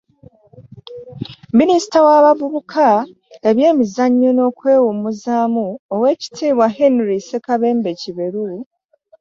Minisita w'abavubuka, ebyemizannyo n'okwewumuzaamu, Oweekitiibwa Henry Ssekabembe Kiberu